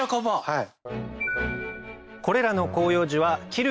はい。